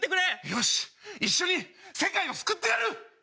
よし一緒に世界を救ってやる！